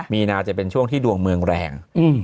มีนาจะเป็นช่วงที่ดวงเมืองแรง